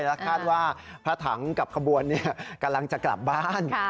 และคาดว่าพระถังกับขบวนกำลังจะกลับบ้าน